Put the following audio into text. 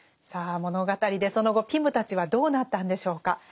さあ物語でその後ピムたちはどうなったんでしょうか。